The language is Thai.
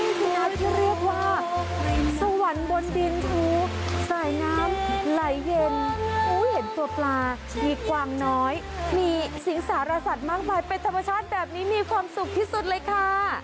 เป็นสุนัขที่เรียกว่าสวรรค์บนดินถูสายน้ำไหลเย็นเห็นตัวปลามีกวางน้อยมีสิงสารสัตว์มากมายเป็นธรรมชาติแบบนี้มีความสุขที่สุดเลยค่ะ